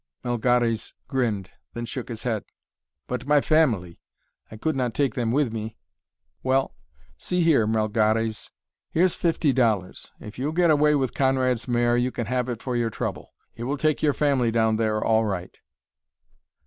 Melgares grinned, then shook his head. "But my family I could not take them with me." "Well see here, Melgares. Here's fifty dollars. If you'll get away with Conrad's mare you can have it for your trouble. It will take your family down there all right."